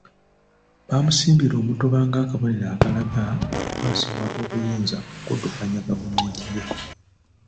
Bamusimbira omutuba ng’akabonero akalaga okukwasibwa obuyinza okuddukanya gavumenti ye.